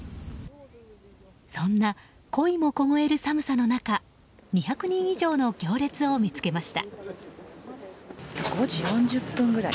そんなコイも凍える寒さの中２００人以上の行列を見つけました。